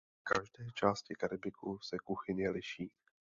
V každé části Karibiku se kuchyně liší.